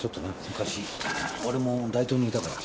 昔俺も大東にいたから。